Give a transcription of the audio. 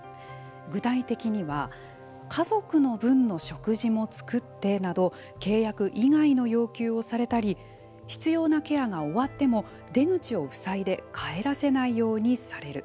具体的には家族の分の食事も作ってなど契約以外の要求をされたり必要なケアが終わっても出口をふさいで帰らせないようにされる。